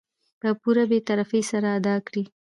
په پوره بې طرفي سره ادا کړي .